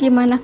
apa sus unik